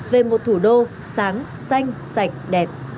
về một thủ đô sáng xanh sạch đẹp